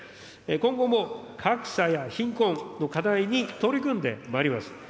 今後も、格差や貧困の課題に取り組んでまいります。